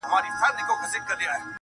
په لسگونو انسانان یې وه وژلي.!